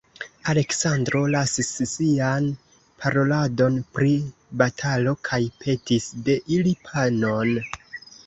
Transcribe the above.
Aleksandro lasis sian paroladon pri batalo kaj petis de ili panon.